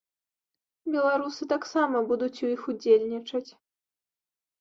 Беларусы таксама будуць у іх удзельнічаць.